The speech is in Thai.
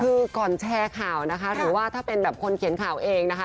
คือก่อนแชร์ข่าวนะคะหรือว่าถ้าเป็นแบบคนเขียนข่าวเองนะคะ